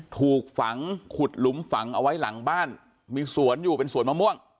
ถูกฝังขุดหลุมฝังเอาไว้หลังบ้านมีสวนอยู่เป็นสวนมะม่วง